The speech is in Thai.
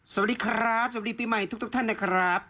สวัสดีครับสวัสดีปีใหม่ทุกท่านนะครับ